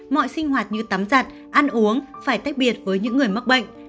mọi sinh hoạt như tắm giặt ăn uống phải tách biệt với những người mắc bệnh